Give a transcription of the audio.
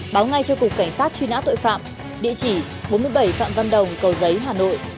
báo ngay cho cục cảnh sát truy nã tội phạm địa chỉ bốn mươi bảy phạm văn đồng cầu giấy hà nội